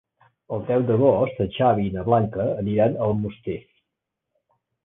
El deu d'agost en Xavi i na Blanca aniran a Almoster.